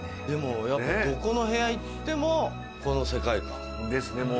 でもやっぱどこの部屋行ってもこの世界観。ですね